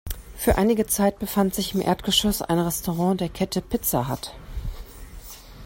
Für einige Zeit befand sich im Erdgeschoss ein Restaurant der Kette Pizza Hut.